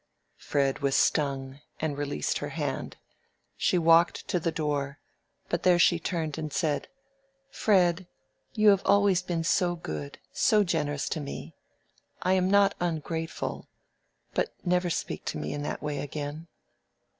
Fred was stung, and released her hand. She walked to the door, but there she turned and said: "Fred, you have always been so good, so generous to me. I am not ungrateful. But never speak to me in that way again."